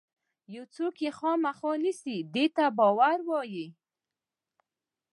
یو څوک یې خامخا نیسي دې ته باور وایي.